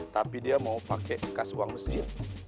tapi dia mau pakai kas uang mesin